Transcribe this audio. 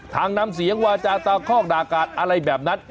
ทางนำเสียงว่าจะต่อค้อกดาการอะไรแบบนั้น